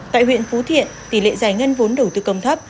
tại huyện phú thiện tỉ lệ giải ngân vốn đầu tư cầm thấp